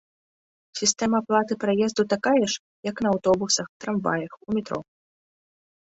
Сістэма аплаты праезду такая ж, як на аўтобусах, трамваях, у метро.